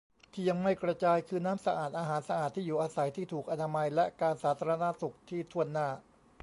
ที่ยังไม่กระจายคือน้ำสะอาด อาหารสะอาด ที่อยู่อาศัยที่ถูกอนามัย และการสาธารณสุขที่ถ้วนหน้า